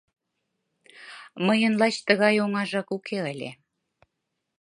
— Мыйын лач тыгай оҥажак уке ыле.